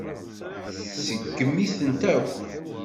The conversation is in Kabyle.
Tseggem-itent akk.